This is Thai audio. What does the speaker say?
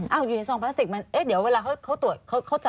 อยู่ในซองพลาสติกมันเอ๊ะเดี๋ยวเวลาเขาตรวจ